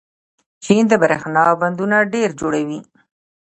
چین د برښنا بندونه ډېر جوړوي.